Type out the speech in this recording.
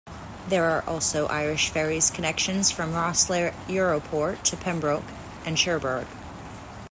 There are also Irish Ferries connections from Rosslare Europort to Pembroke and Cherbourg.